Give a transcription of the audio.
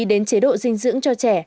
đến chế độ dinh dưỡng cho trẻ